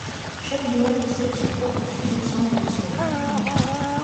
Chaque joueur possède son propre sous-ensemble de sommets.